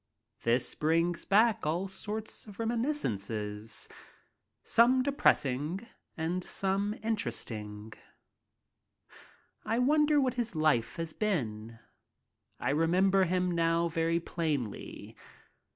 This brings back all sorts of reminiscences, some depressing and others inter esting. I wonder what his life has been. I remember him now very plainly.